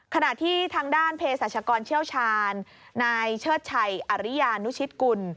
ขณะที่ทางด้านเพศรัชกรเชี่ยวชาญนายเชิดชัยอริยานุชิตกุล